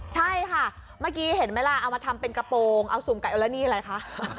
ใช่ค่ะเมื่อกี้เห็นไหมล่ะเอามาทำเป็นกระโปรงเอาสุ่มไก่โอลานี่อะไรคะ